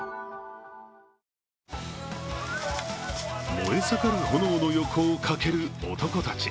燃えさかる炎の横を駆ける男たち。